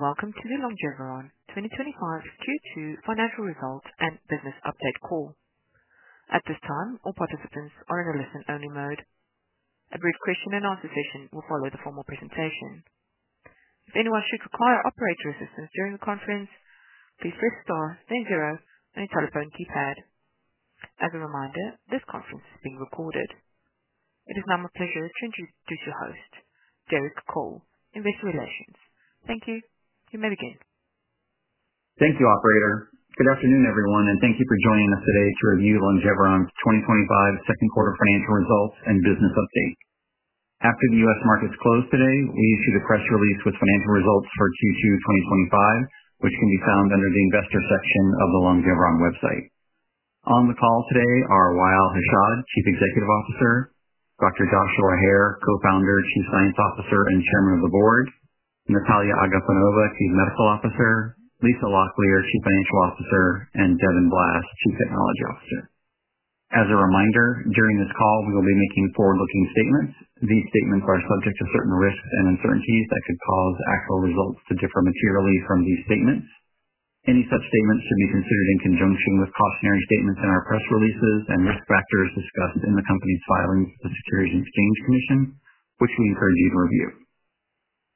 Welcome to the Longeveron 2025 Q2 Financial Result and Business Update Call. At this time, all participants are in a listen-only mode. A brief question-and-answer session will follow the formal presentation. If anyone should require operator assistance during the conference, please press star, then zero, on your telephone keypad. As a reminder, this conference is being recorded. It is now my pleasure to introduce you to your host, Derek Cole, in investor relations. Thank you. You may begin. Thank you, operator. Good afternoon, everyone, and thank you for joining us today to review Longeveron's 2025 second quarter financial results and business update. After the U.S. markets close today, we see the press release with financial results for Q2 2025, which can be found under the investor section of the Longeveron website. On the call today are Wa’el Hashad, Chief Executive Officer; Dr. Joshua Hare, Co-Founder, Chief Scientific Officer, and Chairman of the Board; Nataliya Agafonova, Chief Medical Officer; Lisa Locklear, Chief Financial Officer; and Devin Blass, Chief Technology Officer. As a reminder, during this call, we will be making forward-looking statements. These statements are subject to certain risks and uncertainties that could cause actual results to differ materially from these statements. Any such statements should be considered in conjunction with cautionary statements in our press releases and risk factors discussed in the company's filing with the Securities and Exchange Commission, which we encourage you to review.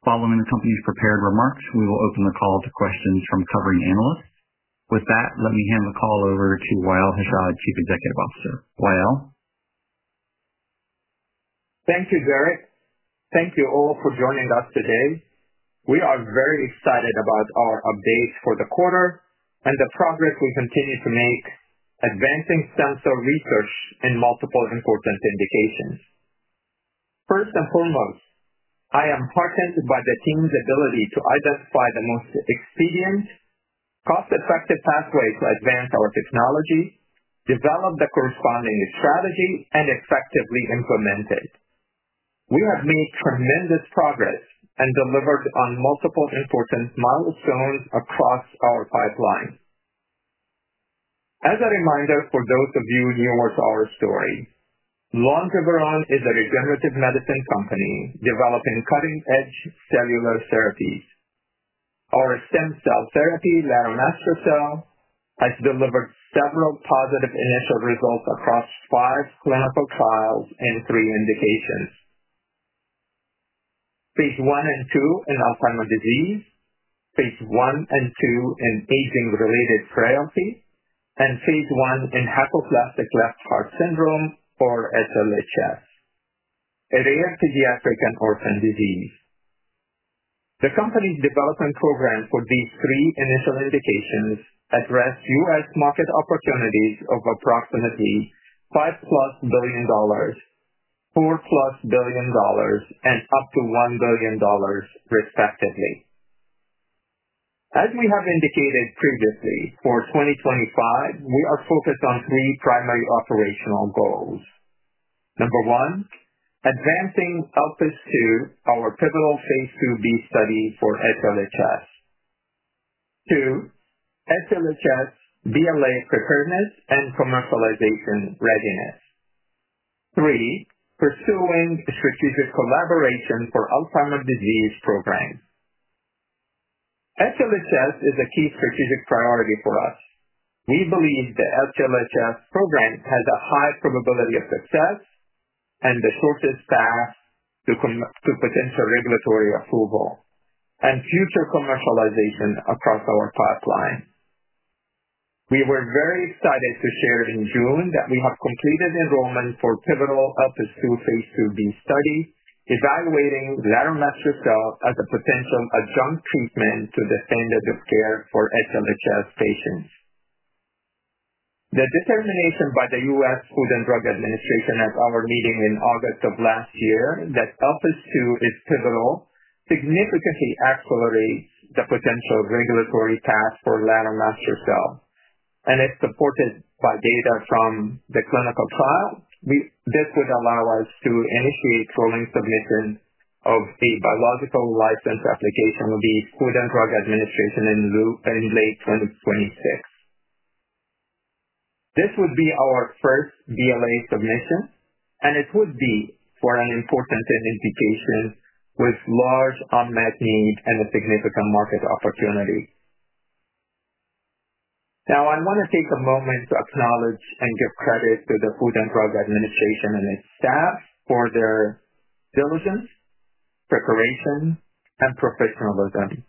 Following the company's prepared remarks, we will open the call to questions from covering analysts. With that, let me hand the call over to Wa’el Hashad, Chief Executive Officer. Wa’el. Thank you, Derek. Thank you all for joining us today. We are very excited about our updates for the quarter, and the progress we continue to make advancing sensor research in multiple important indications. First and foremost, I am heartened by the team's ability to identify the most expedient, cost-effective pathway to advance our technology, develop the corresponding strategy, and effectively implement it. We have made tremendous progress and delivered on multiple important milestones across our pipeline. As a reminder for those of you newer to our story, Longeveron is a regenerative medicine company developing cutting-edge cellular therapies. Our stem cell therapy, Lomecel-B, has delivered several positive initial results across five clinical trials in three indications. Phase I and II in Alzheimer’s disease, phase I and II in aging-related frailty, and phase I in hypoplastic left heart syndrome for HLHS, a rare pediatric and orphan disease. The company's development program for these three initial indications addressed U.S. market opportunities of approximately $5+ billion, $4+ billion, and up to $1 billion, respectively. As we have indicated previously, for 2025, we are focused on three primary operational goals. Number one, advancing [LPAS-2], our pivotal phase II-B study for HLHS. Two, HLHS BLA's concurrence and commercialization readiness. Three, pursuing strategic collaboration for Alzheimer’s disease programs. HLHS is a key strategic priority for us. We believe the HLHS program has a high probability of success and the shortest path to potential regulatory approval and future commercialization across our pipeline. We were very excited to share in June that we have completed enrollment for pivotal [LPAS-2] phase II-B study, evaluating Lomecel-B as a potential adjunct treatment to the standard of care for HLHS patients. The determination by the U.S. Food and Drug Administration at our meeting in August of last year that [LPAS-2] is pivotal significantly accelerates the potential regulatory path for Lomecel-B. As supported by data from the clinical trial, this would allow us to initiate rolling submission of the biologics license application to the Food and Drug Administration in late 2026. This would be our first BLA submission, and it would be for an important indication with large unmet needs and a significant market opportunity. Now, I want to take a moment to acknowledge and give credit to the Food and Drug Administration and its staff for their diligence, preparation, and professionalism.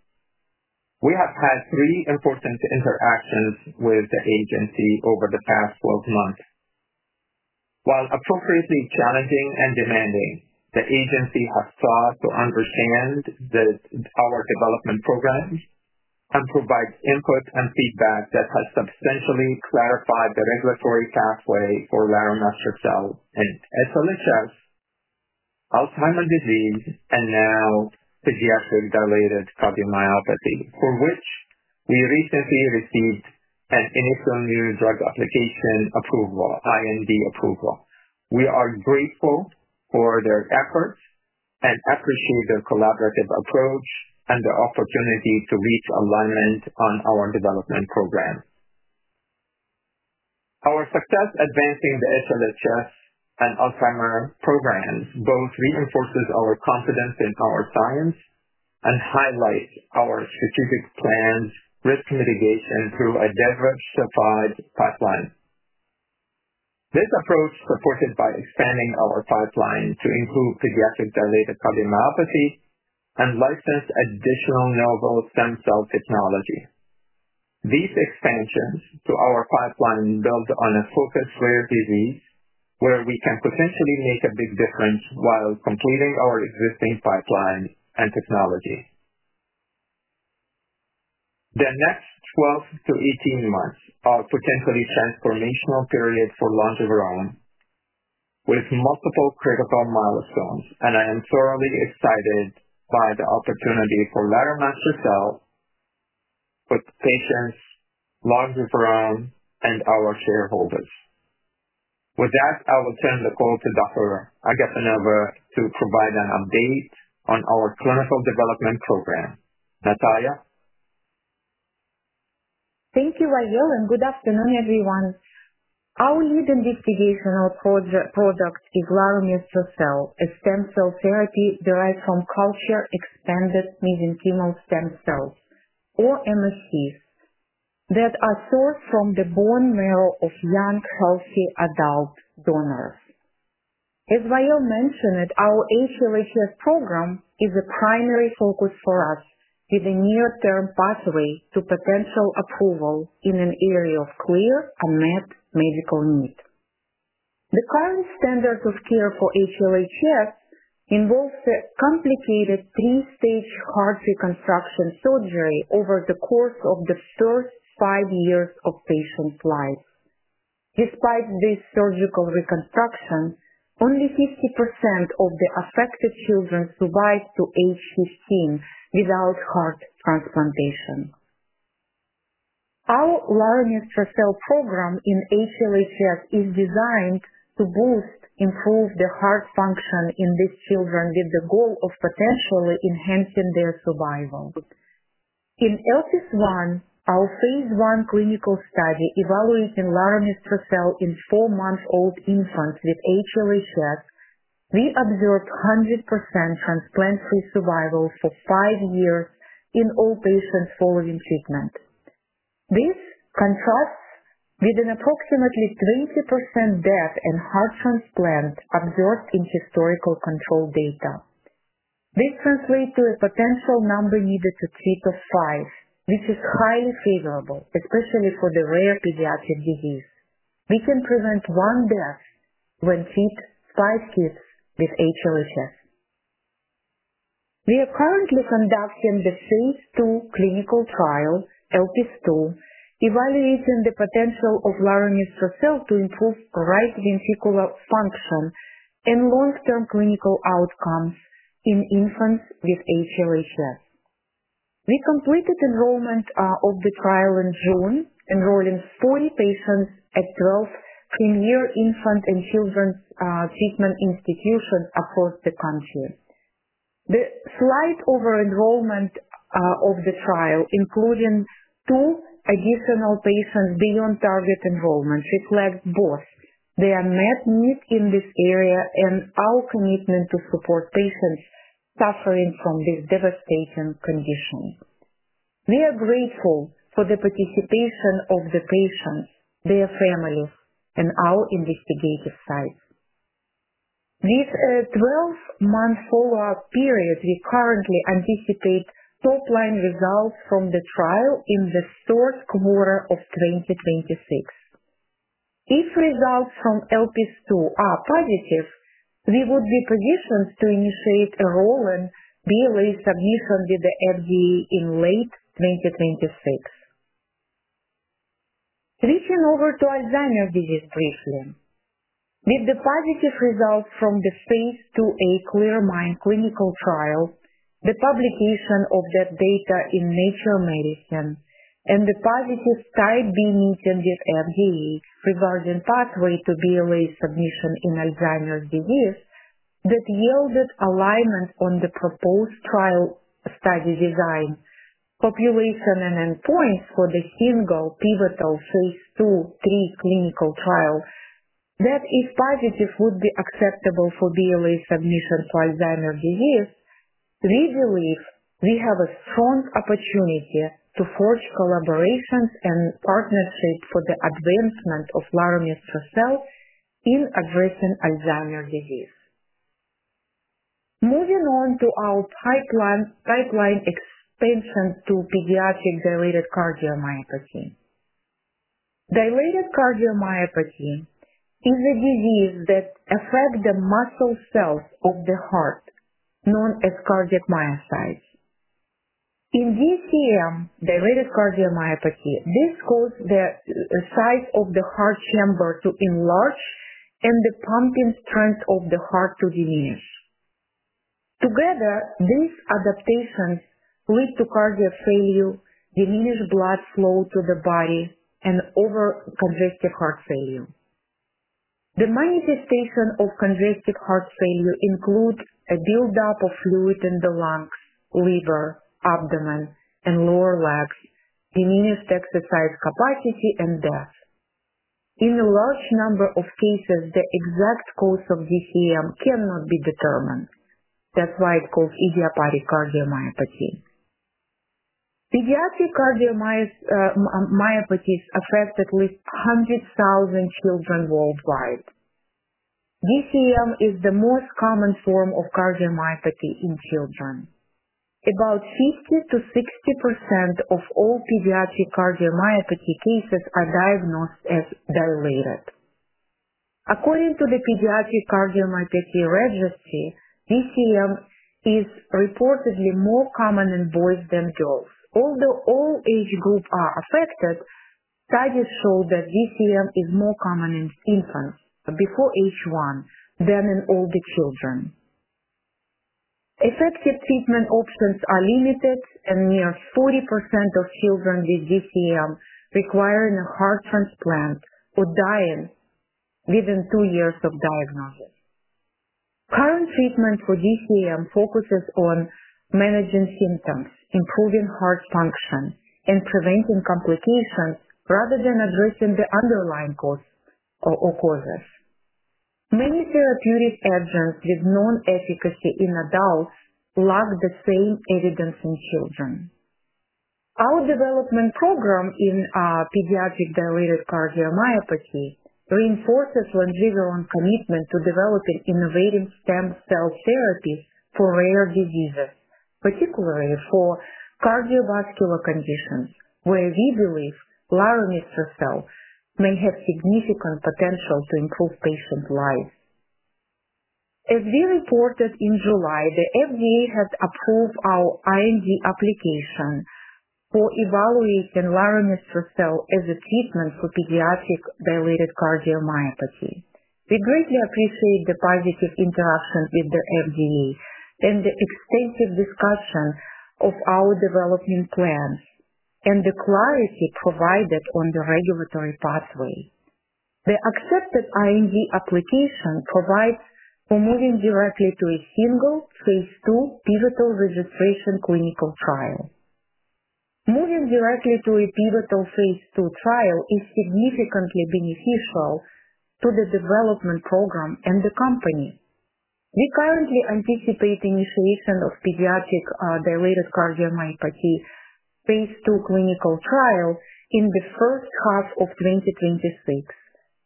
We have had three important interactions with the agency over the past 12 months. While appropriately challenging and demanding, the agency has sought to understand our development programs and provide input and feedback that has substantially clarified the regulatory pathway for Lomecel-B and HLHS, Alzheimer's disease, and now pediatric dilated cardiomyopathy, for which we recently received an initial new drug application approval, IND approval. We are grateful for their efforts and appreciate their collaborative approach and the opportunity to reach alignment on our development program. Our success advancing the HLHS and Alzheimer's programs both reinforces our confidence in our science and highlights our strategic plan's risk mitigation through a diversified pipeline. This approach, supported by expanding our pipeline to include pediatric dilated cardiomyopathy and license additional novel stem cell technology. These expansions to our pipeline build on a focused rare disease where we can potentially make a big difference while completing our existing pipeline and technology. The next 12 months to 18 months are a potentially transformational period for Longeveron with multiple critical milestones, and I am thoroughly excited by the opportunity for Lomecel-B with patients, Longeveron, and our shareholders. With that, I will turn the call to Dr. Agafonova to provide an update on our clinical development program. Nataliya? Thank you, Wa’el, and good afternoon, everyone. Our lead investigational project is Lomecel-B, a stem cell therapy derived from culture-expanded mesenchymal stem cells, or MSCs, that are sourced from the bone marrow of young, healthy adult donors. As Wa’el mentioned, our HLHS program is a primary focus for us with a near-term pathway to potential approval in an area of clear unmet medical need. The current standards of care for HLHS involve a complicated three-stage heart reconstruction surgery over the course of the first five years of patient life. Despite this surgical reconstruction, only 50% of the affected children survive to age 15 without heart transplantation. Our Lomecel-B program in HLHS is designed to boost, improve the heart function in these children with the goal of potentially enhancing their survival. In ELPIS I, our phase I clinical study evaluating Lomecel-B in four-month-old infants with HLHS, we observed 100% transplant-free survival for five years in all patients following treatment. This contrasts with an approximately 20% death in heart transplant observed in historical control data. This translates to a potential number needed to treat of five, which is highly favorable, especially for the rare pediatric disease. We can prevent one death when treat five kids with HLHS. We are currently conducting the phase II clinical trial, ELPIS II, evaluating the potential of Lomecel-B to improve right ventricular function and long-term clinical outcomes in infants with HLHS. We completed enrollment of the trial in June, enrolling 40 patients at 12 senior infant and children's treatment institutions across the country. The slight over enrollment of the trial, including two additional patients beyond target enrollment, reflects both their unmet needs in this area and our commitment to support patients suffering from this devastating condition. We are grateful for the participation of the patients, their families, and our investigative sites. With a 12-month follow-up period, we currently anticipate top-line results from the trial in the third quarter of 2026. If results from ELPIS II are positive, we would be positioned to initiate enrollment BLA submission with the FDA in late 2026. Switching over to Alzheimer's disease briefly. With the positive results from the phase II-A CLEAR-MIND clinical trial, the publication of that data in Nature Medicine, and the positive study being meeting with FDA regarding pathway to BLA submission in Alzheimer’s disease, that yielded alignment on the proposed trial study design, population, and endpoints for the single pivotal phase II/III clinical trials, that if positive would be acceptable for BLA submission for Alzheimer’s disease, we believe we have a strong opportunity to forge collaborations and partnerships for the advancement of Lomecel-B in addressing Alzheimer’s disease. Moving on to our pipeline expansion to pediatric dilated cardiomyopathy. Dilated cardiomyopathy is a disease that affects the muscle cells of the heart, known as cardiac myocytes. In DCM, dilated cardiomyopathy, this causes the size of the heart chamber to enlarge and the pumping strength of the heart to diminish. Together, these adaptations lead to cardiac failure, diminished blood flow to the body, and over-congestive heart failure. The manifestation of congestive heart failure includes a buildup of fluid in the lung, liver, abdomen, and lower legs, diminished exercise capacity, and death. In a large number of cases, the exact cause of DCM cannot be determined. That’s why it causes idiopathic cardiomyopathy. Pediatric cardiomyopathies affect at least 100,000 children worldwide. DCM is the most common form of cardiomyopathy in children. About 50%-60% of all pediatric cardiomyopathy cases are diagnosed as dilated. According to the Pediatric Cardiomyopathy Registry, DCM is reportedly more common in boys than girls. Although all age groups are affected, studies show that DCM is more common in infants before age one than in older children. Effective treatment options are limited, and near 40% of children with DCM require a heart transplant or die within two years of diagnosis. Current treatment for DCM focuses on managing symptoms, improving heart function, and preventing complications rather than addressing the underlying causes. Many therapeutic agents with known efficacy in adults lack the same evidence in children. Our development program in pediatric dilated cardiomyopathy reinforces Longeveron’s commitment to developing innovative stem cell therapy for rare diseases, particularly for cardiovascular conditions, where we believe Lomecel-B may have significant potential to improve patient lives. As we reported in July, the FDA had approved our IND application for evaluating Lomecel-B as a treatment for pediatric dilated cardiomyopathy. We greatly appreciate the positive interaction with the FDA and the extensive discussion of our development plans and the clarity provided on the regulatory pathway. The accepted IND application provides for moving directly to a single phase II pivotal registration clinical trial. Moving directly to a pivotal phase II trial is significantly beneficial to the development program and the company. We currently anticipate initiation of pediatric dilated cardiomyopathy phase 2 clinical trial in the first half of 2026,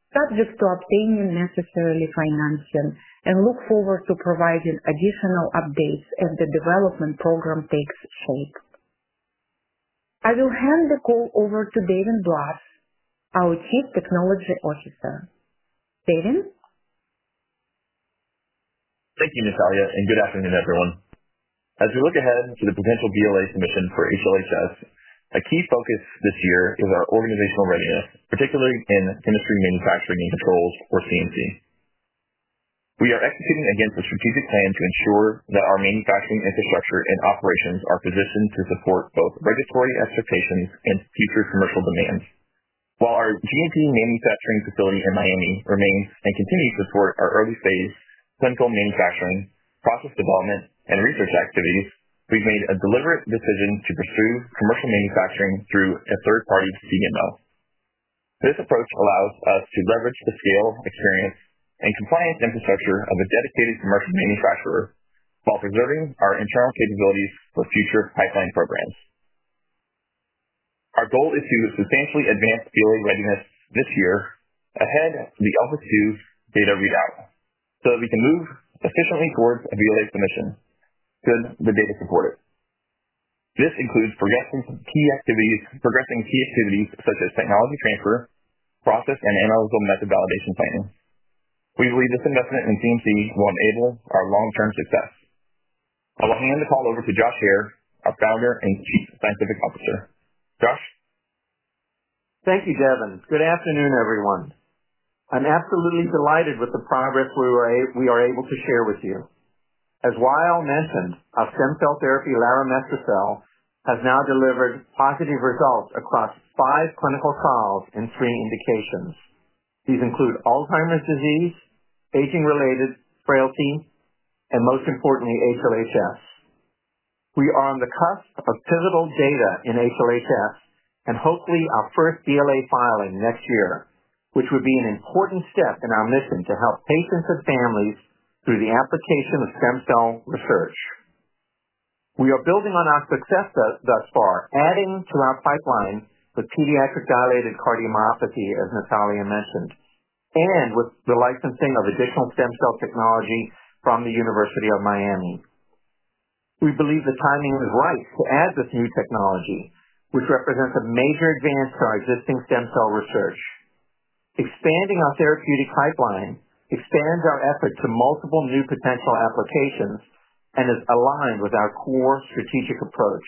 subject to obtaining necessary financing, and look forward to providing additional updates as the development program takes shape. I will hand the call over to Devin Blass, our Chief Technology Officer. Devin? Thank you, Nataliya, and good afternoon, everyone. As we look ahead to the potential BLA submission for ACLS, a key focus this year is our organizational readiness, particularly in industry manufacturing goals or CMC. We are executing against a strategic plan to ensure that our manufacturing infrastructure and operations are positioned to support both regulatory expectations and future commercial demands. While our GMP manufacturing facility in Miami remains and continues to support our early-stage clinical manufacturing, process development, and research activities, we've made a deliberate decision to pursue commercial manufacturing through a third-party CMO. This approach allows us to leverage the scale, experience, and compliance infrastructure of a dedicated commercial manufacturer while preserving our internal capabilities for future pipeline programs. Our goal is to substantially advance BLA readiness this year ahead of the [LPAS-2] data readout so that we can move efficiently towards a BLA submission should the data support it. This includes progressing key activities such as technology transfer, process, and analytical method validation planning. We believe this investment in CMC will enable our long-term success. I will hand the call over to Josh Hare, our Founder and Chief Scientific Officer. Josh. Thank you, Devin. Good afternoon, everyone. I'm absolutely delighted with the progress we are able to share with you. As Wa’el mentioned, our stem cell therapy Lomecel-B has now delivered positive results across five clinical trials in three indications. These include Alzheimer’s disease, aging-related frailty, and most importantly, HLHS. We are on the cusp of pivotal data in HLHS and hopefully our first BLA filing next year, which would be an important step in our mission to help patients and families through the application of stem cell research. We are building on our success thus far, adding to our pipeline the pediatric dilated cardiomyopathy, as Nataliya mentioned, and with the licensing of additional stem cell technology from the University of Miami. We believe the timing is right to add this new technology, which represents a major advance to our existing stem cell research. Expanding our therapeutic pipeline expands our effort to multiple new potential applications and is aligned with our core strategic approach.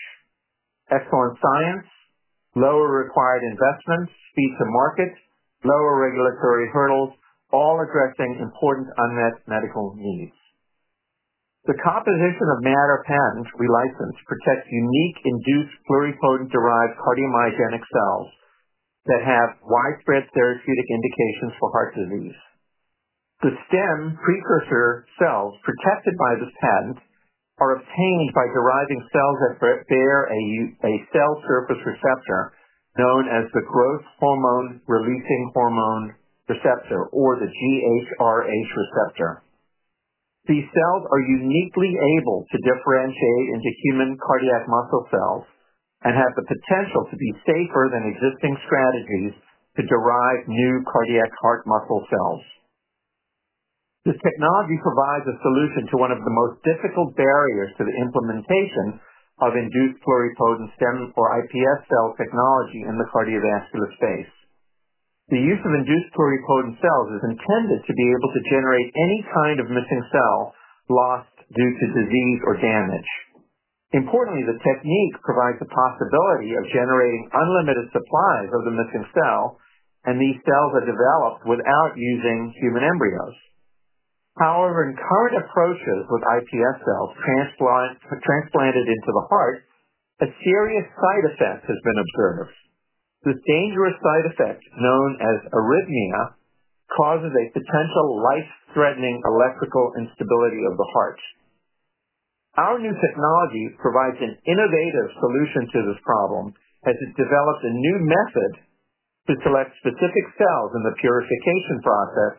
Excellent science, lower required investments, speed to market, lower regulatory hurdles, all addressing important unmet medical needs. The composition of matter patents we license protects unique induced pluripotent stem cell-derived cardiomyogenic cells that have widespread therapeutic indications for heart disease. The stem precursor cells protected by this patent are obtained by deriving cells that bear a cell surface receptor known as the growth hormone-releasing hormone receptor, or the GHRH receptor. These cells are uniquely able to differentiate into human cardiac muscle cells and have the potential to be safer than existing strategies to derive new cardiac heart muscle cells. This technology provides a solution to one of the most difficult barriers to the implementation of induced pluripotent stem or iPS cell technology in the cardiovascular space. The use of induced pluripotent cells is intended to be able to generate any kind of missing cell lost due to disease or damage. Importantly, the technique provides the possibility of generating unlimited supplies of the missing cell, and these cells are developed without using human embryos. However, in current approaches with iPS cells transplanted into the heart, a serious side effect has been observed. The dangerous side effect known as arrhythmia causes a potential life-threatening electrical instability of the heart. Our new technology provides an innovative solution to this problem as it develops a new method to select specific cells in the purification process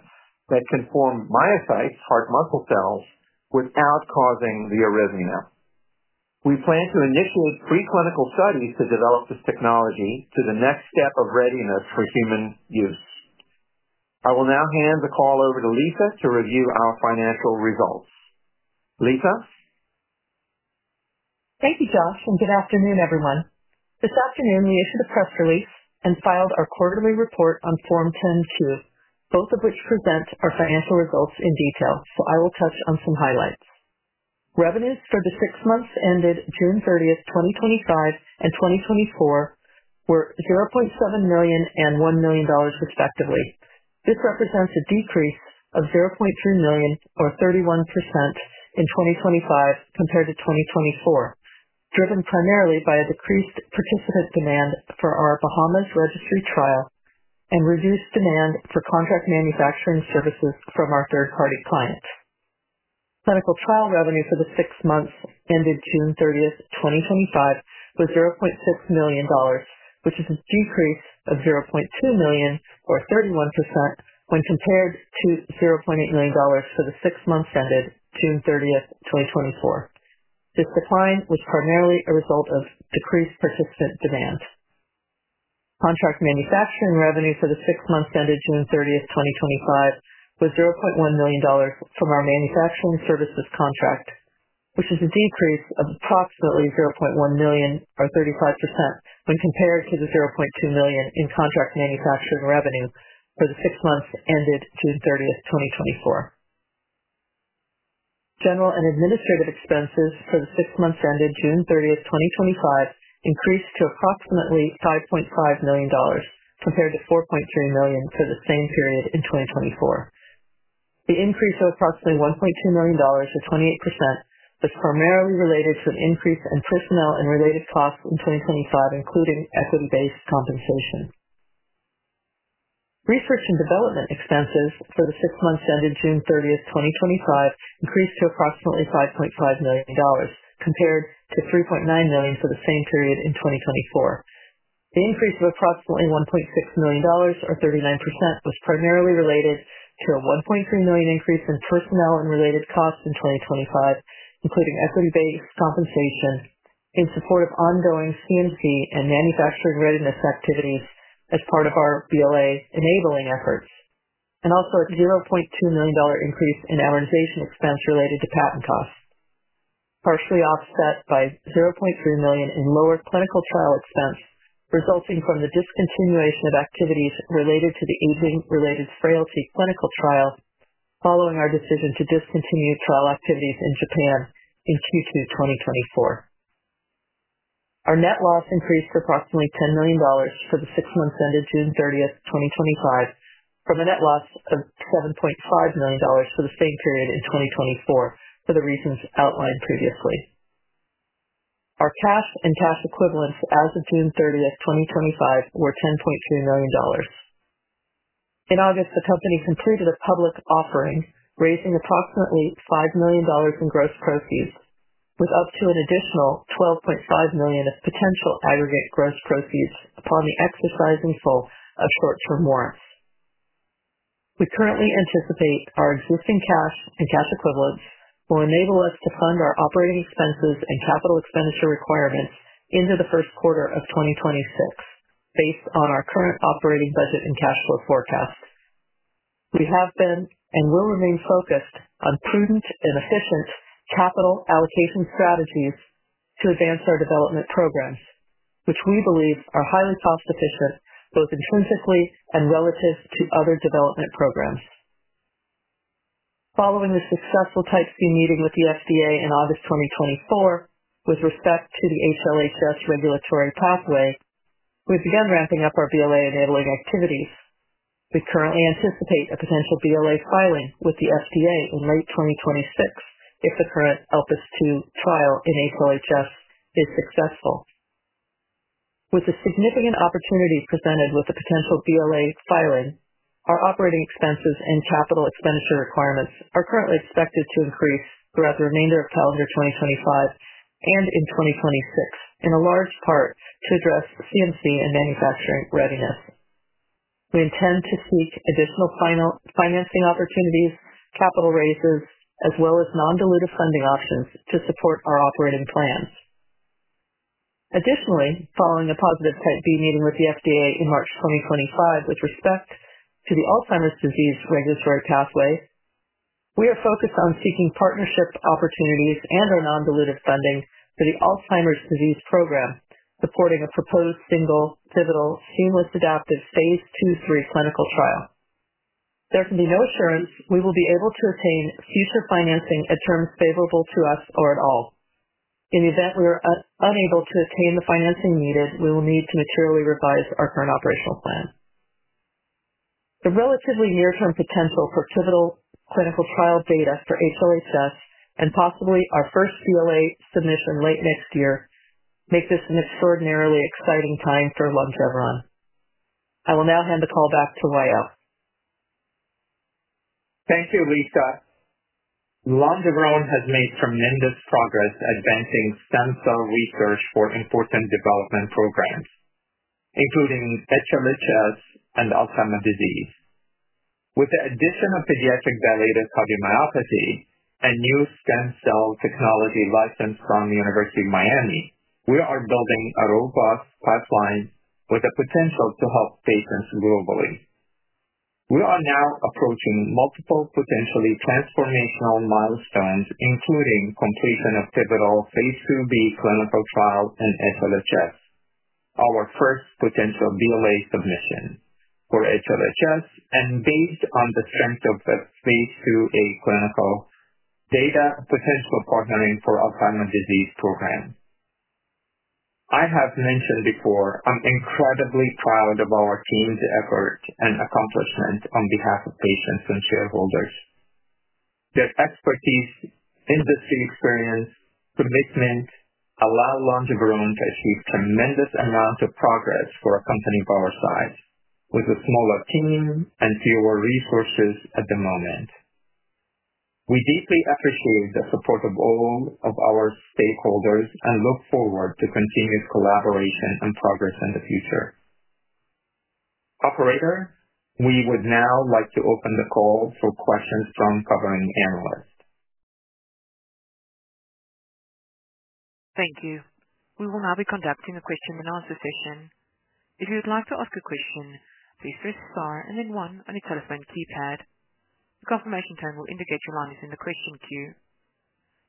that can form myocytes, heart muscle cells, without causing the arrhythmia. We plan to initiate preclinical studies to develop this technology to the next step of readiness for human use. I will now hand the call over to Lisa to review our financial results. Lisa. Thank you, Josh, and good afternoon, everyone. This afternoon, we issued a press release and filed our quarterly report on Form 10-Q, both of which present our financial results in detail. I will touch on some highlights. Revenues for the six months ended June 30th, 2025, and 2024 were $0.7 million and $1 million, respectively. This represents a decrease of $0.2 million or 31% in 2025 compared to 2024, driven primarily by a decreased participant demand for our Bahamas registry trial and reduced demand for contract manufacturing services from our third-party client. Clinical trial revenue for the six months ended June 30, 2025, was $0.6 million, which is a decrease of $0.2 million or 31% when compared to $0.8 million for the six months ended June 30, 2024. This decline was primarily a result of decreased participant demand. Contract manufacturing revenue for the six months ended June 30, 2025, was $0.1 million from our manufacturing services contract, which is a decrease of approximately $0.1 million or 35% when compared to the $0.2 million in contract manufacturing revenue for the six months ended June 30, 2024. General and administrative expenses for the six months ended June 30th, 2025, increased to approximately $5.5 million compared to $4.2 million for the same period in 2024. The increase of approximately $1.2 million is 28%, primarily related to an increase in personnel and related costs in 2025, including equity-based compensation. Research and development expenses for the six months ended June 30th, 2025, increased to approximately $5.5 million compared to $3.9 million for the same period in 2024. The increase of approximately $1.6 million or 39% was primarily related to a $1.3 million increase in personnel and related costs in 2025, including equity-based compensation in support of ongoing CMC and manufacturing readiness activities as part of our BLA enabling efforts, and also a $0.2 million increase in amortization expense related to patent costs, partially offset by $0.3 million in lower clinical trial expense resulting from the discontinuation of activities related to the aging-related frailty clinical trial following our decision to discontinue trial activities in Japan in Q2 2024. Our net loss increased to approximately $10 million for the six months ended June 30th, 2025, from a net loss of $11.5 million for the same period in 2024 for the reasons outlined previously. Our cash and cash equivalents as of June 30th, 2025, were $10.2 million. In August, the company completed a public offering raising approximately $5 million in gross proceeds, with up to an additional $12.5 million of potential aggregate gross proceeds upon the exercising full of quote for warrants. We currently anticipate our existing cash and cash equivalents will enable us to fund our operating expenses and capital expenditure requirements into the first quarter of 2026 based on our current operating budget and cash flow forecast. We have been and will remain focused on prudent and efficient capital allocation strategies to advance our development programs, which we believe are highly cost-efficient both incentively and relative to other development programs. Following a successful type C meeting with the FDA in August 2024 with respect to the HLHS regulatory pathway, we've begun ramping up our BLA enabling activities. We currently anticipate a potential BLA filing with the FDA in late 2026 if the current [LPAS-2] trial in HLHS is successful. With the significant opportunity presented with a potential BLA filing, our operating expenses and capital expenditure requirements are currently expected to increase throughout the remainder of calendar 2025 and in 2026, in a large part to address CMC and manufacturing readiness. We intend to seek additional financing opportunities, capital raises, as well as non-dilutive funding options to support our operating plans. Additionally, following a positive type B meeting with the FDA in March 2025 with respect to the Alzheimer's disease regulatory pathways, we are focused on seeking partnership opportunities and/or non-dilutive funding for the Alzheimer's disease program, supporting a proposed single pivotal seamless adaptive phase II-III clinical trial. There can be no assurance we will be able to attain future financing at terms favorable to us or at all. In the event we are unable to attain the financing needed, we will need to materially revise our current operational plan. The relatively near-term potential for pivotal clinical trial data for HLHS and possibly our first BLA submission late next year makes this an extraordinarily exciting time for Longeveron. I will now hand the call back to Wa'el. Thank you, Lisa. Longeveron has made tremendous progress advancing stem cell research for important development programs, including HLHS and Alzheimer's disease. With the addition of pediatric dilated cardiomyopathy and new stem cell technology license from the University of Miami, we are building a robust pipeline with the potential to help patients globally. We are now approaching multiple potentially transformational milestones, including completion of pivotal phase II-B clinical trial in HLHS, our first potential BLA submission for HLHS, and based on the potential for phase II-A clinical data, potential partnering for Alzheimer's disease program. I have mentioned before, I'm incredibly proud of our team's efforts and accomplishments on behalf of patients and shareholders. Their expertise, industry experience, and commitment allow Longeveron to achieve tremendous amounts of progress for a company of our size, with a smaller team and fewer resources at the moment. We deeply appreciate the support of all of our stakeholders and look forward to continuous collaboration and progress in the future. Operator, we would now like to open the call for questions from the covering analyst. Thank you. We will now be conducting a question and answer session. If you would like to ask a question, please press star and then one on your telephone keypad. The confirmation tone will indicate your line is in the question queue.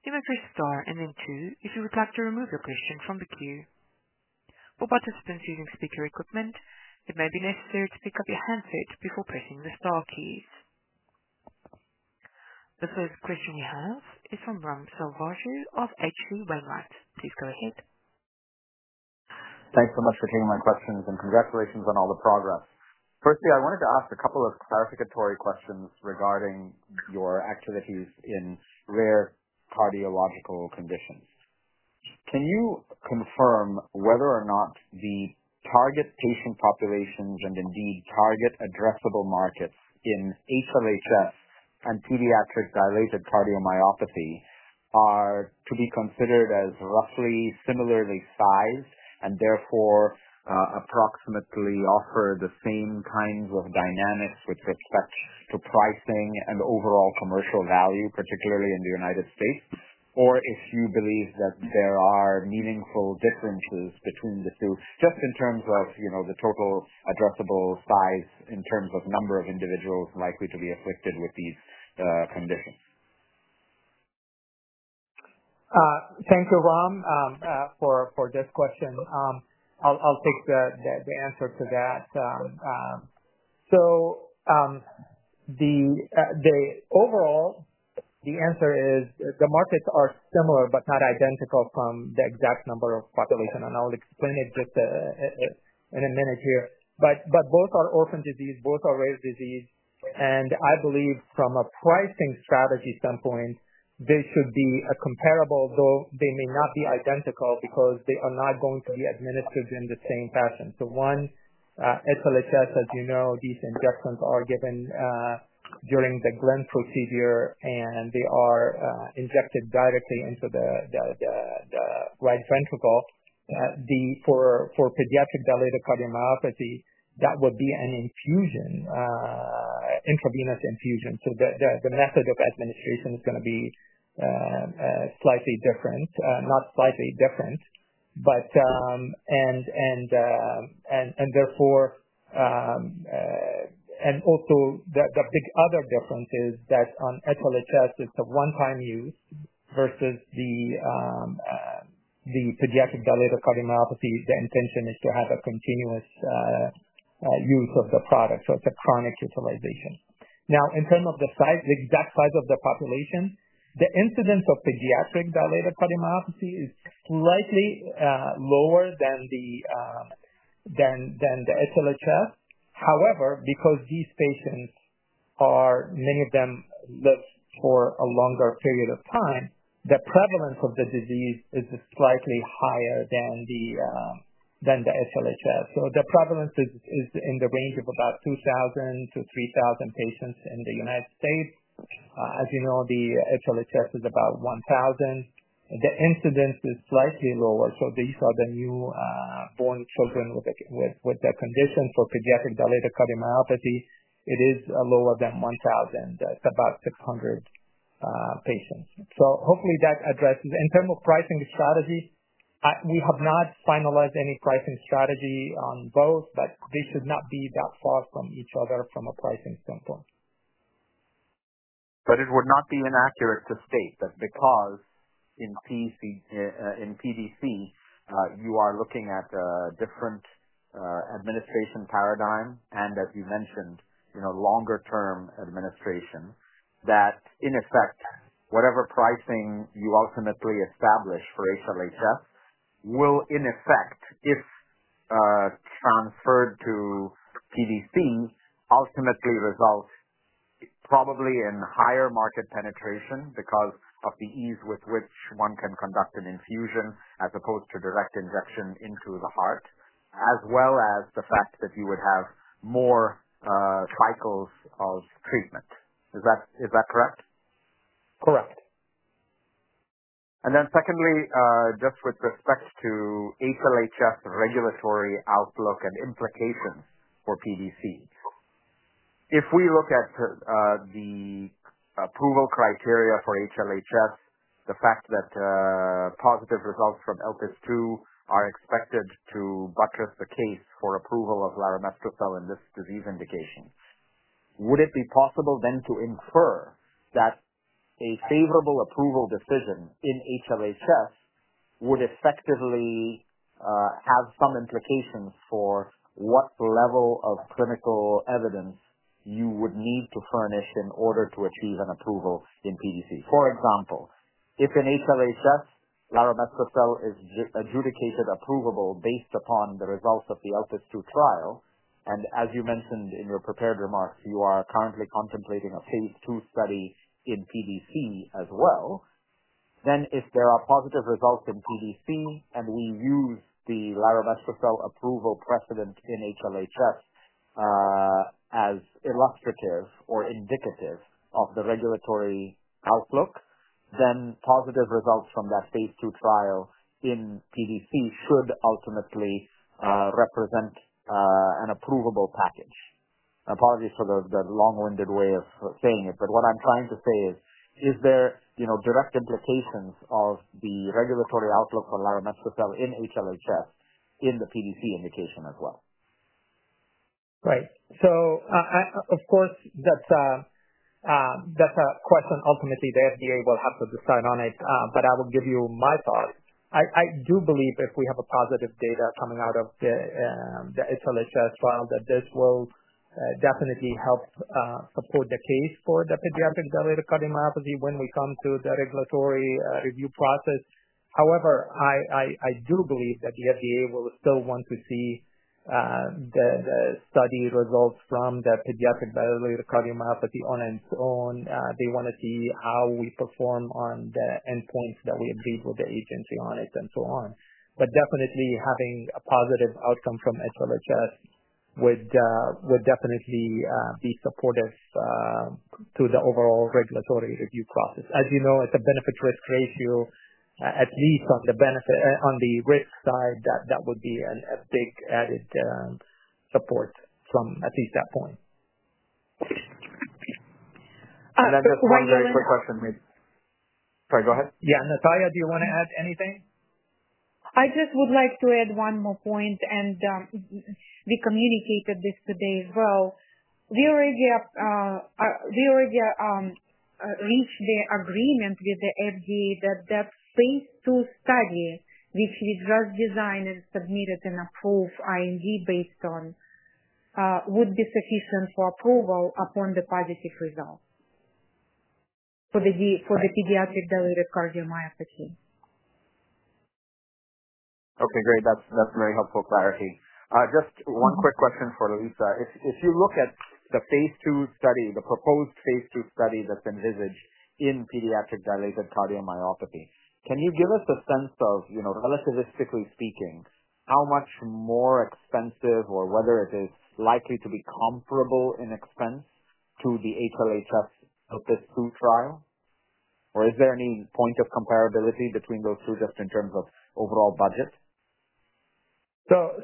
You may press star and then two if you would like to remove your question from the queue. For participants using speaker equipment, it may be necessary to pick up your handset before pressing the star keys. The third question you have is from Raghuram Selvaraju of H.C. Wainwright. Please go ahead. Thanks so much for taking my questions and congratulations on all the progress. Firstly, I wanted to ask a couple of clarificatory questions regarding your activities in rare cardiological conditions. Can you confirm whether or not the target patient populations and indeed target addressable markets in HLHS and pediatric dilated cardiomyopathy are to be considered as roughly similarly sized and therefore, approximately offer the same kinds of dynamics with respect to pricing and overall commercial value, particularly in the United States? If you believe that there are meaningful differences between the two, just in terms of, you know, the total addressable size in terms of number of individuals likely to be acquitted with these conditions. Thank you, Ram, for this question. I'll take the answer to that. The overall answer is the markets are similar but not identical from the exact number of populations. I'll explain it just in a minute here. Both are orphan disease, both are rare disease. I believe from a pricing strategy standpoint, they should be comparable, though they may not be identical because they are not going to be administered in the same fashion. One, HLHS, as you know, these injections are given during the Glenn procedure, and they are injected directly into the right ventricle. For pediatric dilated cardiomyopathy, that would be an infusion, intravenous infusion. The method of administration is going to be different, and therefore, the big other difference is that on HLHS, it's the one-time use versus the pediatric dilated cardiomyopathy. The intention is to have a continuous use of the product. It's a chronic utilization. Now, in terms of the size, the exact size of the population, the incidence of pediatric dilated cardiomyopathy is slightly lower than the HLHS. However, because these patients are, many of them live for a longer period of time, the prevalence of the disease is slightly higher than the HLHS. The prevalence is in the range of about 2,000-3,000 patients in the United States. As you know, the HLHS is about 1,000. The incidence is slightly lower. These are the newborn children with the condition for pediatric dilated cardiomyopathy. It is lower than 1,000. It's about 600 patients. Hopefully, that addresses. In terms of pricing strategies, we have not finalized any pricing strategy on both, but they should not be that far from each other from a pricing standpoint. It would not be inaccurate to state that because in PDC, you are looking at a different administration paradigm and, as you mentioned, longer-term administration that, in effect, whatever pricing you ultimately establish for ACLHS will, if transferred to PDC, ultimately result probably in higher market penetration because of the ease with which one can conduct an infusion as opposed to direct injection into the heart, as well as the fact that you would have more cycles of treatment. Is that correct? Correct. Secondly, just with respect to HLHS regulatory outlook and implications for PDC, if we look at the approval criteria for HLHS, the fact that positive results from [LPAS-2] are expected to buttress the case for approval of Lomecel-B in this disease indication, would it be possible then to infer that a favorable approval decision in HLHS would effectively have some implications for what level of clinical evidence you would need to furnish in order to achieve an approval in PDC? For example, if in HLHS, Lomecel-B is adjudicated approval based upon the results of the [LPAS-2] trial, and as you mentioned in your prepared remarks, you are currently contemplating a phase II study in PDC as well, then if there are positive results in PDC and we use the Lomecel-B approval precedent in HLHS as illustrative or indicative of the regulatory outlook, then positive results from that phase II trial in PDC should ultimately represent an approval package. Apologies for the long-winded way of saying it, but what I'm trying to say is, is there, you know, direct implications of the regulatory outlook for Lomecel-B in HLHS in the PDC indication as well? Right. Of course, that's a question ultimately the FDA will have to decide on, but I will give you my thoughts. I do believe if we have positive data coming out of the HLHS trial that this will definitely help support the case for the pediatric dilated cardiomyopathy when we come to the regulatory review process. However, I do believe that the FDA will still want to see the study results from the pediatric dilated cardiomyopathy on its own. They want to see how we perform on the endpoints that we agreed with the agency on and so on. Definitely, having a positive outcome from HLHS would definitely be supportive to the overall regulatory review process. As you know, it's a benefit-risk ratio. At least on the benefit and on the risk side, that would be an added support from at least that point. Just one very quick question. Sorry, go ahead. Yeah, Nataliya, do you want to add anything? I just would like to add one more point, and we communicated this today as well. We already reached the agreement with the FDA that that phase II study, which we just designed and submitted in a full IND based on, would be sufficient for approval upon the positive result for the pediatric dilated cardiomyopathy. Okay, great. That's very helpful clarity. Just one quick question for Lisa. If you look at the phase II study, the proposed phase II study that's envisaged in pediatric dilated cardiomyopathy, can you give us a sense of, you know, relativistically speaking, how much more expensive or whether it is likely to be comparable in expense to the HLHS [LPAS-2] trial? Is there any point of comparability between those two just in terms of overall budget?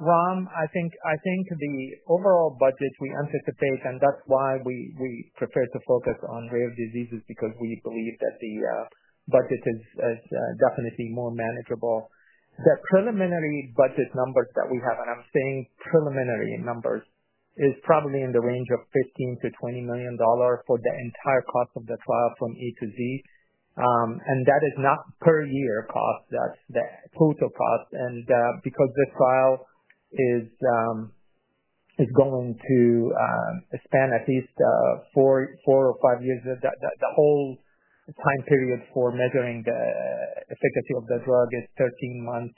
Ram, I think the overall budget we anticipate, and that's why we prefer to focus on rare diseases because we believe that the budget is definitely more manageable. The preliminary budget numbers that we have, and I'm saying preliminary numbers, is probably in the range of $15 million-$20 million for the entire cost of the trial from A to Z. That is not per year cost. That's the total cost. Because this trial is going to span at least four or five years, the whole time period for measuring the efficacy of the drug is 13 months.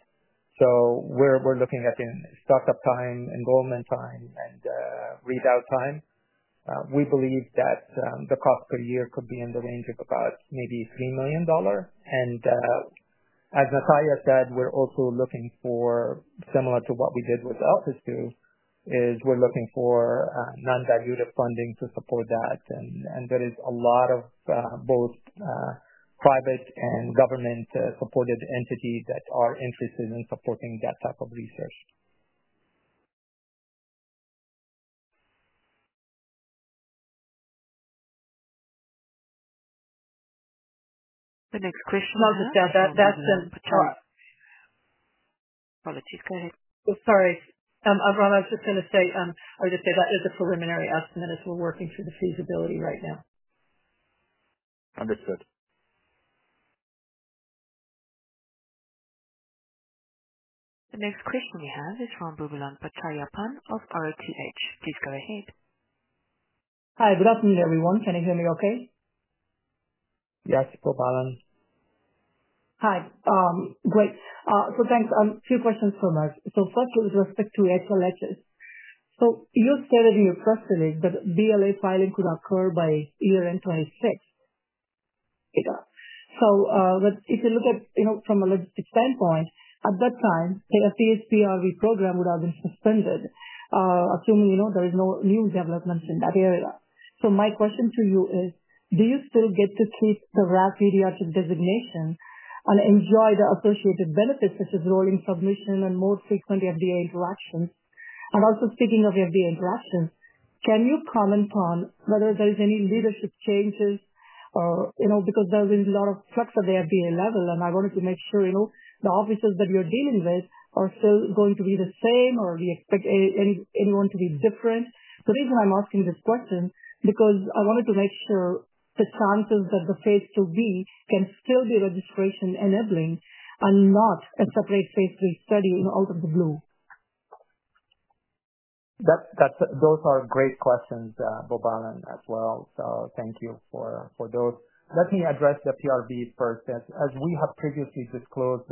We're looking at in startup time, enrollment time, and readout time. We believe that the cost per year could be in the range of about maybe $3 million. As Nataliya said, we're also looking for, similar to what we did with [LPAS-2], non-dilutive funding to support that. There is a lot of both private and government-supported entities that are interested in supporting that type of research. The next question I'll just add, that's from the chart. Ram, I was just going to say, I would just say that is a preliminary estimate as we're working through the feasibility right now. Understood. The next question we have is from Boobalan Pachaiyappan of ROTH. Please go ahead. Hi. Good afternoon, everyone. Can you hear me okay? Yes, you're fine. Hi. Great. Thanks. A few questions from us. First, with respect to HLHS, you have stated in your question that BLA filing could occur by year end 2026. If you look at, you know, from a logistics standpoint, at that time, the PSPRV program would have been suspended, assuming, you know, there is no new developments in that area. My question to you is, do you still get to seek the RAAP EDR designation and enjoy the associated benefits such as rolling submission and more frequent FDA interactions? Also, speaking of FDA interactions, can you comment upon whether there's any leadership changes or, you know, because there's a lot of flux at the FDA level, I wanted to make sure, you know, the offices that we are dealing with are still going to be the same or do you expect anyone to be different? The reason I'm asking this question is because I wanted to make sure that scientists at the phase II-B can still be registration enabling and not a separate phase III study out of the blue. Those are great questions, Boobalan as well. Thank you for those. Let me address the PRV first. As we have previously disclosed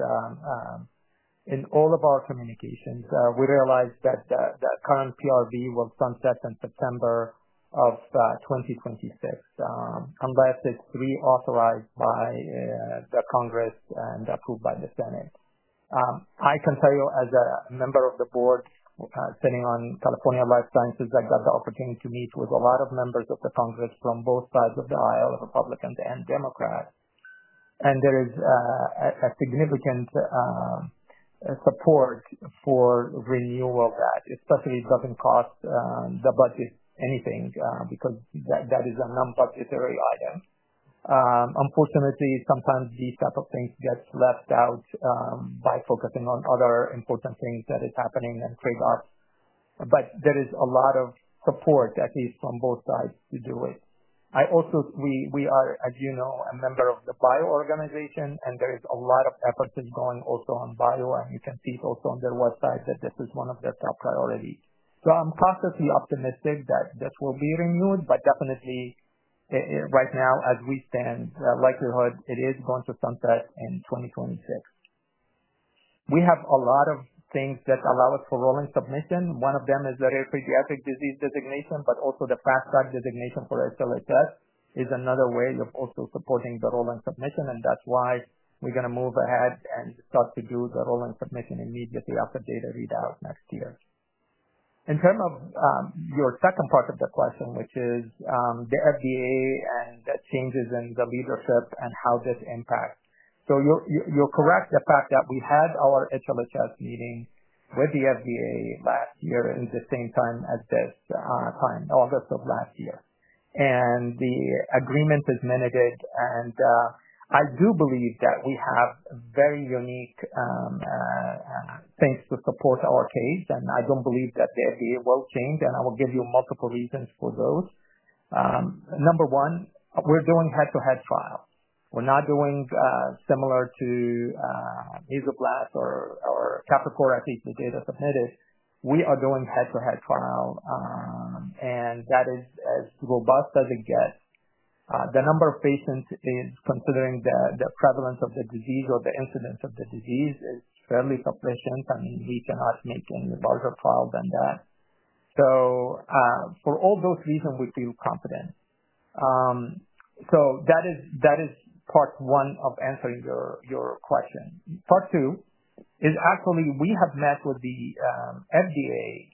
in all of our communications, we realize that the current PRV will start in September of 2026 unless it's reauthorized by the Congress and approved by the Senate. I can tell you as a member of the board sitting on California Life Sciences, I got the opportunity to meet with a lot of members of the Congress from both sides of the aisle, Republican and Democrat. There is significant support for renewal of that, especially if it doesn't cost the budget anything because that is a non-budgetary item. Unfortunately, sometimes these types of things get left out by focusing on other important things that are happening and trade-offs. There is a lot of support, at least from both sides, to do it. We are, as you know, a member of the Bio organization, and there is a lot of effort going also on Bio, and you can see also on their website that this is one of their top priorities. I'm constantly optimistic that this will be renewed, but definitely right now, as we stand, the likelihood is it is going to start in 2026. We have a lot of things that allow us for rolling submission. One of them is the rare pediatric disease designation, but also the fast track designation for HLHS is another way of also supporting the rolling submission. That's why we're going to move ahead and start to do the rolling submission immediately after data readout next year. In terms of your second part of the question, which is the FDA and the changes in the leadership and how this impacts. You're correct, the fact that we had our HLHS meeting with the FDA last year at the same time as this client, in August of last year. The agreement is limited, and I do believe that we have very unique things to support our case, and I don't believe that the FDA will change. I will give you multiple reasons for those. Number one, we're doing head-to-head trial. We're not doing similar to Mesoblast or Capricor, I think the data submitted. We are doing head-to-head trial, and that is as robust as it gets. The number of patients, considering the prevalence of the disease or the incidence of the disease, is fairly sufficient. We cannot make any larger trial than that. For all those reasons, we feel confident. That is part one of answering your question. Part two is actually we have met with the FDA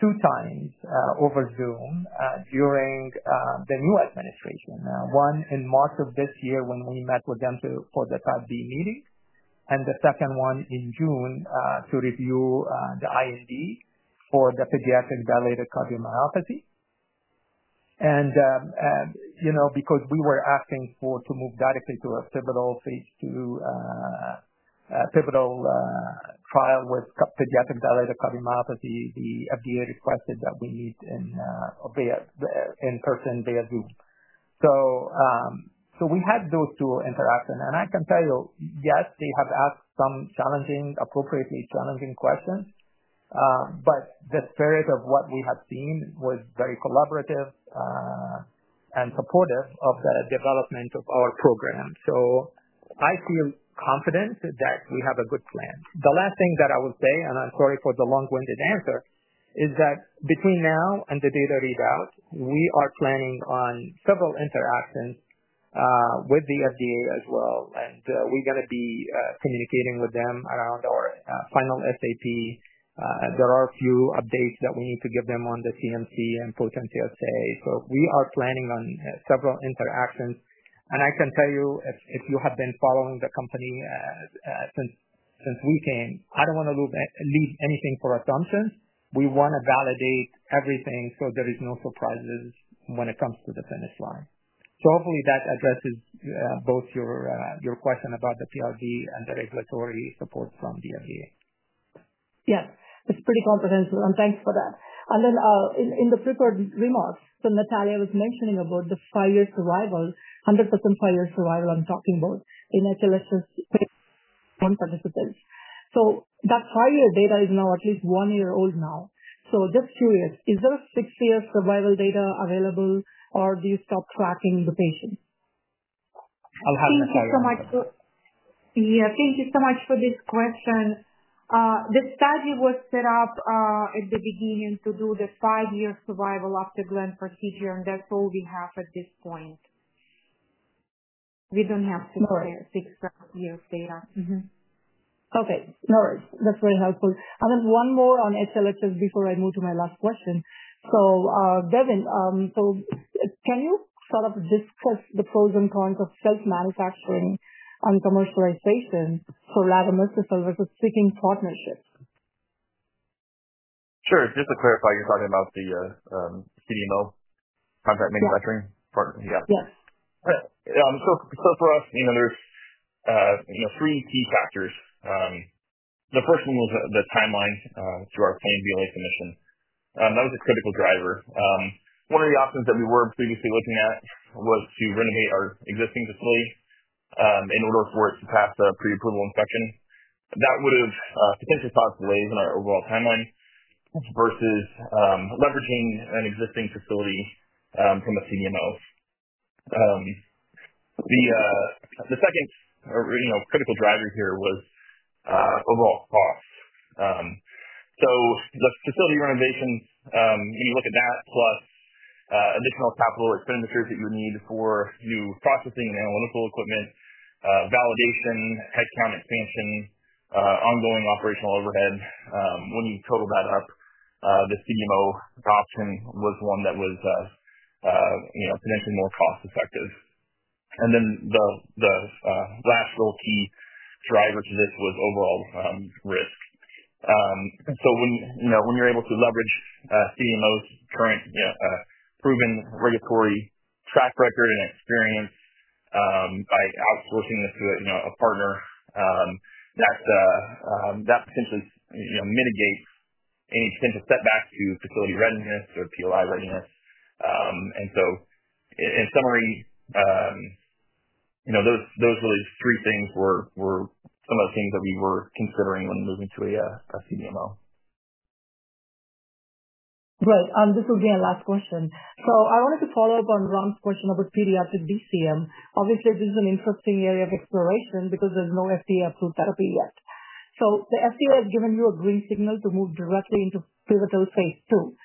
two times over Zoom during the new administration. One in March of this year when we met with them for the type B meeting, and the second one in June to review the IND for the pediatric dilated cardiomyopathy. Because we were asking for to move directly to a pivotal phase II trial with pediatric dilated cardiomyopathy, the FDA requested that we meet in person via Zoom. We had those two interactions. I can tell you, yes, they have asked some appropriately challenging questions, but the spirit of what we have seen was very collaborative and supportive of the development of our program. I feel confident that we have a good plan. The last thing that I will say, and I'm sorry for the long-winded answer, is that between now and the data readout, we are planning on several interactions with the FDA as well. We're going to be communicating with them around our final SAP. There are a few updates that we need to give them on the CMC and potential stay. We are planning on several interactions. I can tell you, if you have been following the company since we came, I don't want to lose anything for assumptions. We want to validate everything so there are no surprises when it comes to the finish line. Hopefully, that addresses both your question about the PRV and the regulatory support from the FDA. Yeah. That's pretty comprehensive, and thanks for that. In the prepared remarks, Nataliya was mentioning about the five-year survival, 100% five-year survival I'm talking about in HLHS participants. That five-year data is now at least one year old now. Just curious, is there a six-year survival data available, or do you stop tracking the patient? I'll have Nataliya answer. Thank you so much for this question. The study was set up at the beginning to do the five-year survival after Glenn procedure, and that's all we have at this point. We don't have 6+ years' data. Okay. All right. That's very helpful. One more on HLHS before I move to my last question. Devin, can you sort of discuss the pros and cons of self-manufacturing and commercialization for Lomecel-B versus seeking partnerships? Sure. Just to clarify, you're talking about the CDMO contract manufacturing? Yes. Yeah. For us, there's three key factors. The first one was the timeline to our planned BLA submission. That was a critical driver. One of the options that we were previously looking at was to renovate our existing facility in order for it to pass the pre-approval inspection. That would have potentially caused delays in our overall timeline versus leveraging an existing facility from a CDMO. The second critical driver here was overall cost. The facility renovations, you look at that plus additional capital expenditures that you need for processing analytical equipment, validation, headcount expansion, ongoing operational overhead. When you total that up, the CDMO option was the one that was potentially more cost-effective. The last key driver to this was overall risk. When you're able to leverage CDMO's current proven regulatory track record and experience by outsourcing this to a partner, that potentially mitigates any potential setbacks to facility readiness or BLA readiness. In summary, those were the three things that were some of the things that we were considering when moving to a CDMO. Great. This will be our last question. I wanted to follow up on Ram's question about pediatric DCM. Obviously, this is an interesting area of exploration because there's no FDA approved therapy yet. The FDA has given you a green signal to move directly into pivotal phase II.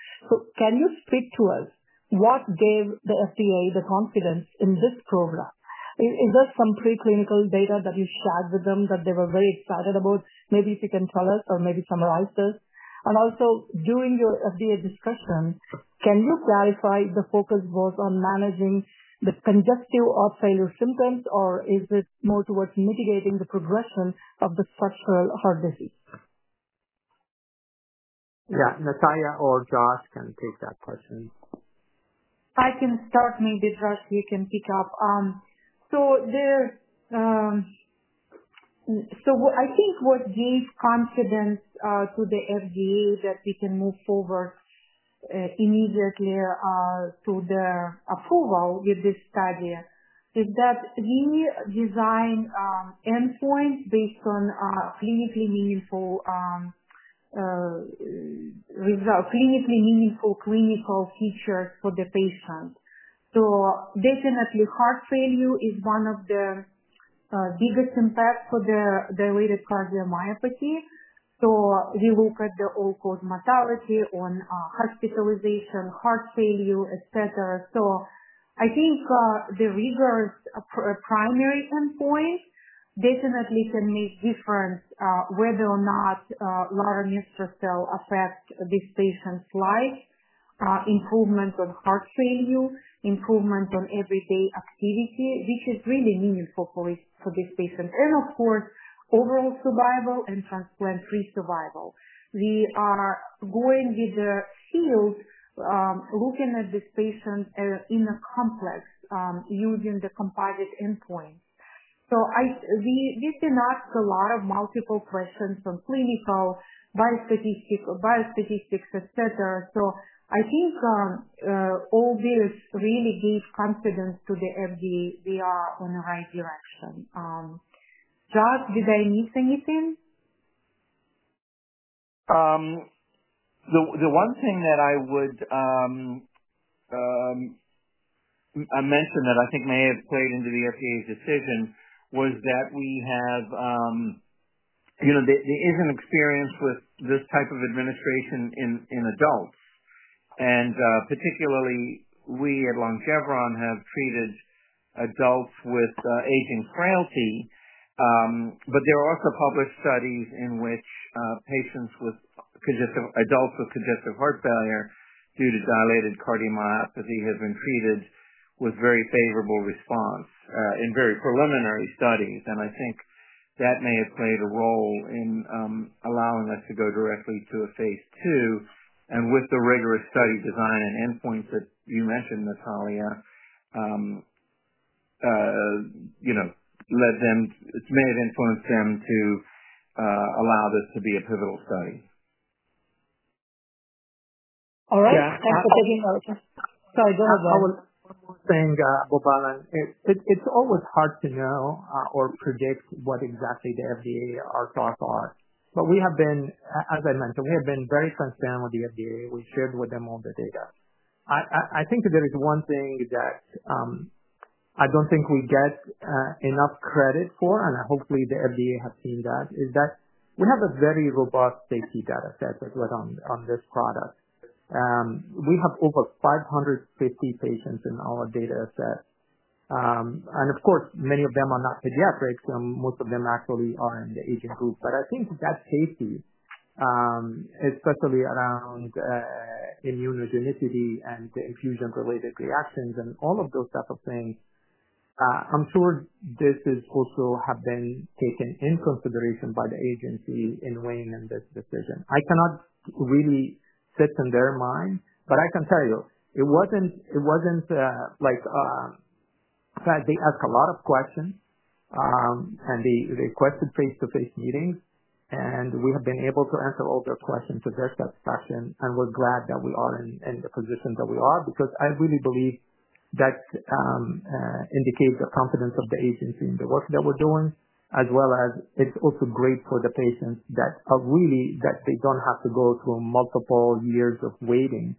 Can you speak to us about what gave the FDA the confidence in this program? Is there some preclinical data that you shared with them that they were very excited about? Maybe if you can tell us or maybe summarize this. Also, during your FDA discussion, can you clarify if the focus was on managing the congestive heart failure symptoms, or is it more towards mitigating the progression of the structural heart disease? Yeah, Nataliya or Josh can take that question. I can start, maybe Josh, you can pick up. I think what gave confidence to the FDA that we can move forward immediately to the approval with this study is that we design endpoints based on clinically meaningful clinical features for the patient. Definitely, heart failure is one of the biggest impacts for the dilated cardiomyopathy. We look at the all-cause mortality on hospitalization, heart failure, etc. I think the rigorous primary endpoint definitely can make a difference whether or not Lomecel-B affects this patient's life, improvement on heart failure, improvement on everyday activity, which is really meaningful for this patient, and of course, overall survival and transplant-free survival. We are going with the field looking at this patient in a complex using the composite endpoint. We didn't ask a lot of multiple questions on clinical biostatistics, etc. I think all this really gave confidence to the FDA on the right direction. Josh, did I miss anything? One thing that I would mention that I think may have played into the FDA's decision was that we have, you know, there is an experience with this type of administration in adults. Particularly, we at Longeveron have treated adults with aging frailty. There are also published studies in which adults with congestive heart failure due to dilated cardiomyopathy have been treated with very favorable response in very preliminary studies. I think that may have played a role in allowing us to go directly to a phase II. With the rigorous study design and endpoints that you mentioned, Nataliya, you know, led them, it may have influenced them to allow this to be a pivotal study. All right. Thanks for taking notes. Sorry, go ahead, Ram. I was saying, it's always hard to know or predict what exactly the FDA thoughts are. We have been, as I mentioned, very transparent with the FDA. We shared with them all the data. I think that there is one thing that I don't think we get enough credit for, and hopefully, the FDA has seen that, is that you have a very robust safety data set as well on this product. We have over 550 patients in our data set. Of course, many of them are not pediatrics, and most of them actually are in the aging group. I think that safety, especially around immunogenicity and the infusion-related reactions and all of those types of things, I'm sure this has also been taken into consideration by the agency in weighing in this decision. I cannot really sit in their mind, but I can tell you, it wasn't like that. They asked a lot of questions, and they requested face-to-face meetings. We have been able to answer all their questions to their satisfaction. We're glad that we are in the position that we are because I really believe that indicates the confidence of the agency in the work that we're doing, as well as it's also great for the patients that really don't have to go through multiple years of waiting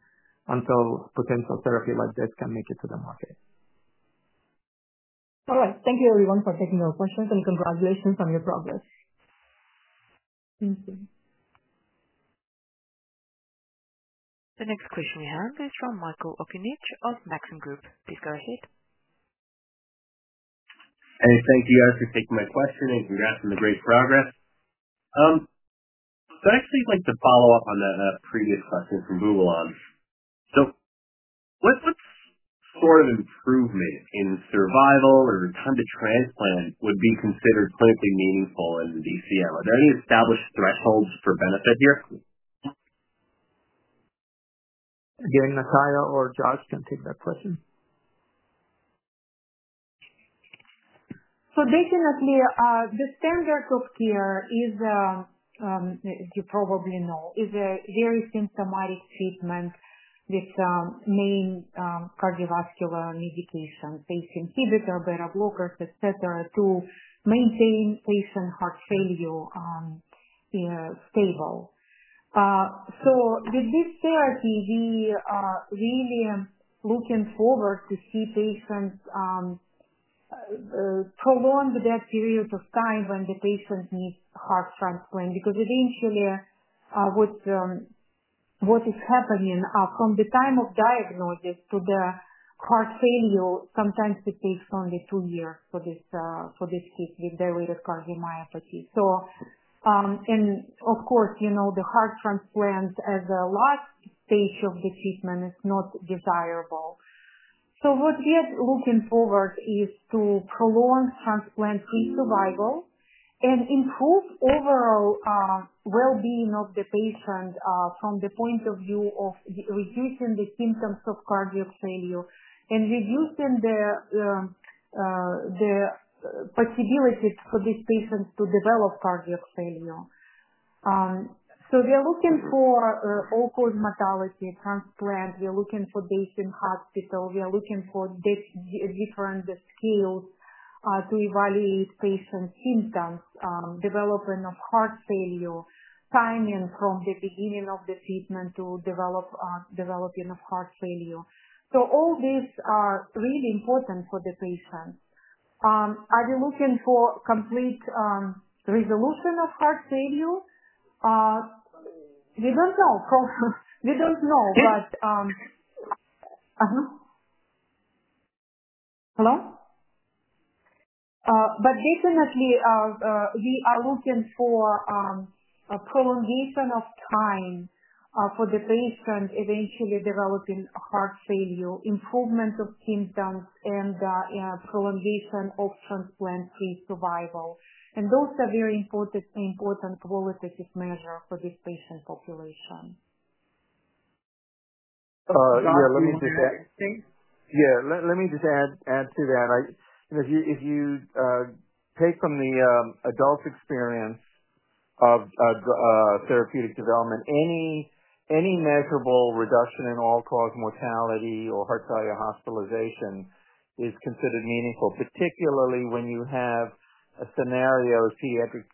until potential therapy like this can make it to the market. All right. Thank you, everyone, for taking your questions, and congratulations on your progress. Thank you. The next question we have is from Michael Okunewitch of Maxim Group. Please go ahead. Thank you, Josh, for taking my question and congrats on the great progress. I'd actually like to follow up on that previous question from Boobalan. What for an improvement in survival or time to transplant would be considered clinically meaningful in the DCM? Are there any established thresholds for benefit here? Again, Nataliya or Josh can take that question. The standard of care is, as you probably know, a very symptomatic treatment with main cardiovascular medication, ACE inhibitor, beta-blockers, etc., to maintain patient heart failure stable. With this therapy, we are really looking forward to see patients prolong the period of time when the patient needs heart transplant because eventually, what is happening from the time of diagnosis to the heart failure, sometimes it takes only two years for this case with dilated cardiomyopathy. Of course, you know, the heart transplant as a last stage of the treatment is not desirable. What we are looking forward to is to prolong transplant-free survival and improve overall well-being of the patient from the point of view of reducing the symptoms of cardiac failure and reducing the possibility for these patients to develop cardiac failure. We are looking for all-cause mortality transplant. We are looking for this in hospital. We are looking for different skills to evaluate patient symptoms, development of heart failure, timing from the beginning of the treatment to development of heart failure. All these are really important for the patient. Are you looking for complete resolution of heart failure? We don't know. We don't know, but definitely, we are looking for a prolongation of time for the patient eventually developing heart failure, improvement of symptoms, and prolongation of transplant-free survival. Those are very important qualitative measures for this patient population. Yeah, let me just add. Thanks. Yeah, let me just add to that. If you take from the adult experience of therapeutic development, any measurable reduction in all-cause mortality or heart failure hospitalization is considered meaningful, particularly when you have a scenario of pediatric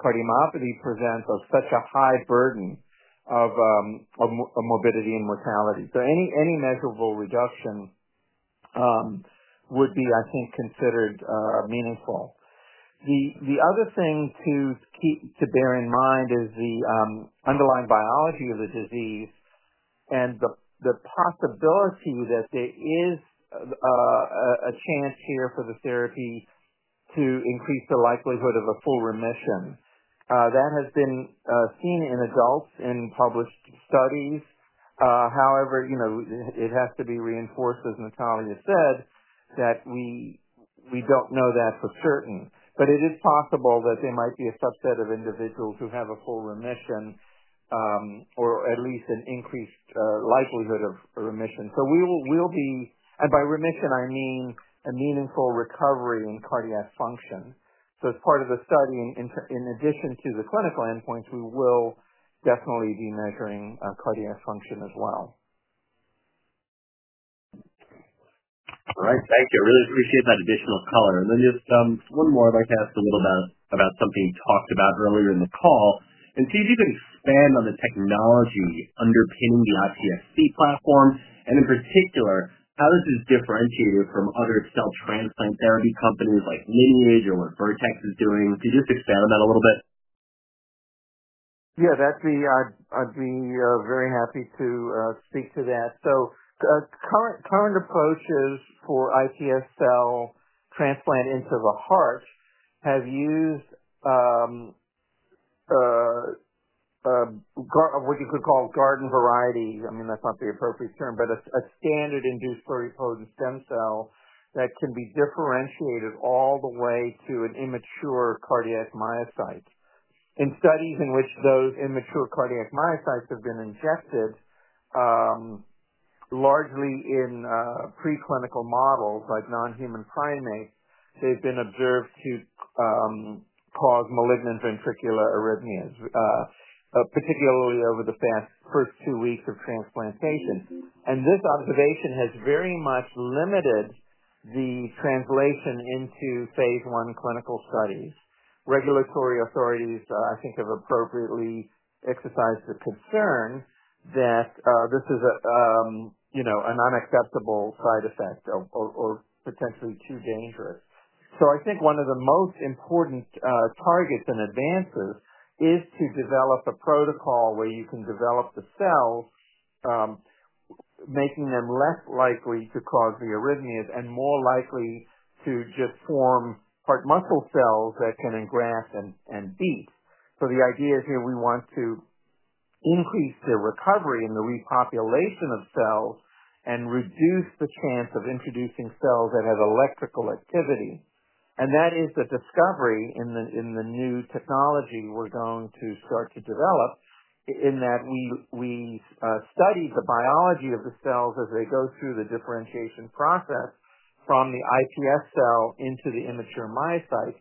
cardiomyopathy presents such a high burden of morbidity and mortality. Any measurable reduction would be, I think, considered meaningful. The other thing to bear in mind is the underlying biology of the disease and the possibility that there is a chance here for the therapy to increase the likelihood of a full remission. That has been seen in adults in published studies. However, as Nataliya said, we don't know that for certain. It is possible that there might be a subset of individuals who have a full remission or at least an increased likelihood of remission. By remission, I mean a meaningful recovery in cardiac function. As part of the study, in addition to the clinical endpoints, we will definitely be measuring cardiac function as well. All right. Thank you. I really appreciate that additional color. Just one more, I'd like to ask a little about something you talked about earlier in the call. Can you even expand on the technology underpinning the RCSC platform? In particular, how does this differentiate it from other cell transplant therapy companies like Lineage or what Vertex is doing? Could you just expand on that a little bit? Yeah, I'd be very happy to speak to that. The current approaches for induced pluripotent stem cell transplant into the heart have used what you could call garden variety, I mean, that's not the appropriate term, but a standard-induced pluripotent stem cell that can be differentiated all the way to an immature cardiac myocyte. In studies in which those immature cardiac myocytes have been injected, largely in preclinical models like non-human primates, they've been observed to cause malignant ventricular arrhythmias, particularly over the first two weeks of transplantation. This observation has very much limited the translation into phase I clinical studies. Regulatory authorities, I think, have appropriately exercised the concern that this is an unacceptable side effect or potentially too dangerous. I think one of the most important targets and advances is to develop a protocol where you can develop the cell, making them less likely to cause the arrhythmias and more likely to just form heart muscle cells that can engraft and beat. The idea is here we want to increase the recovery and the repopulation of cells and reduce the chance of introducing cells that have electrical activity. That is the discovery in the new technology we're going to start to develop in that we studied the biology of the cells as they go through the differentiation process from the induced pluripotent stem cell into the immature myocyte.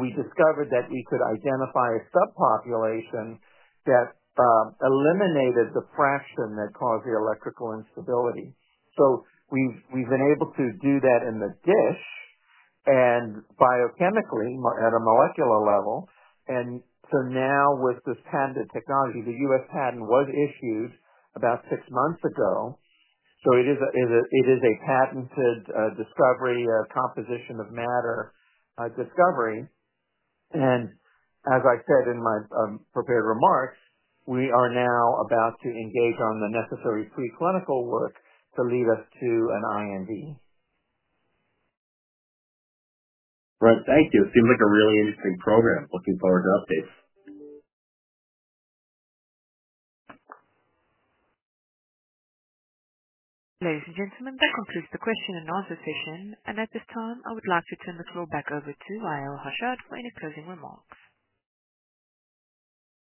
We discovered that we could identify a subpopulation that eliminated the fraction that caused the electrical instability. We've been able to do that in the dish and biochemically at a molecular level. Now with this patented technology, the U.S. patent was issued about six months ago. It is a patented discovery of composition of matter discovery. As I said in my prepared remarks, we are now about to engage on the necessary preclinical work to lead us to an IND. Right. Thank you. Seems like a really interesting program. Looking forward to updates. Ladies and gentlemen, that concludes the question and answer session. At this time, I would like to turn the floor back over to Wa’el Hashad for any closing remarks.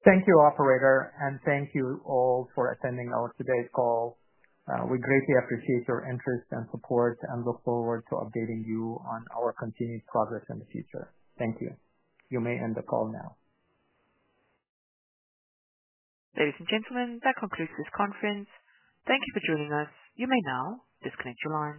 Thank you, operator, and thank you all for attending our today's call. We greatly appreciate your interest and support and look forward to updating you on our continued progress in the future. Thank you. You may end the call now. Ladies and gentlemen, that concludes this conference. Thank you for joining us. You may now disconnect your line.